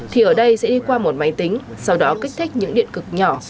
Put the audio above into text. thì ở đây sẽ đi qua một máy tính sau đó kích thích những điện cực nhỏ